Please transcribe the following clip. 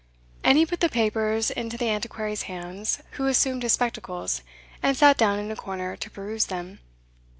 And he put the papers into the Antiquary's hands, who assumed his spectacles, and sat down in a corner to peruse them.